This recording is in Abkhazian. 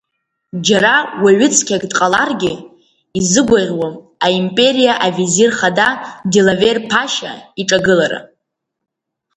Џьара уаҩыцқьак дҟаларгьы, изыгәаӷьуам, аимпериа авезир хада Дилавер-ԥашьа иҿагылара.